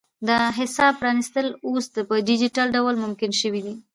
د حساب پرانیستل اوس په ډیجیټل ډول ممکن شوي دي.